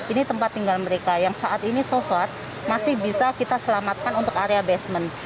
ini tempat tinggal mereka yang saat ini so far masih bisa kita selamatkan untuk area basement